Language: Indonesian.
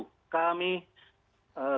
kami konfirmasi kami tekan